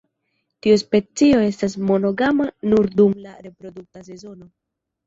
Tiu specio estas monogama nur dum la reprodukta sezono.